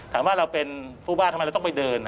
ถามว่าเราเป็นผู้ว่าทำไมเราต้องไปเดิน